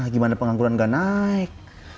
gimana pengangguran ga naik